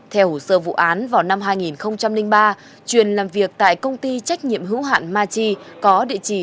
theo hồ sơ vụ án vào năm hai nghìn ba truyền làm việc tại công ty trách nhiệm hữu hạn ma chi có địa chỉ